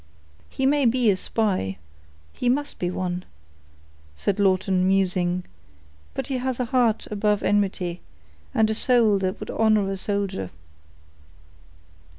"He may be a spy—he must be one," said Lawton, musing; "but he has a heart above enmity, and a soul that would honor a soldier."